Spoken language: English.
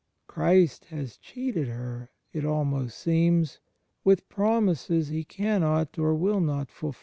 Christ has cheated her, it ahnost seems, with promises He cannot or will not fnM.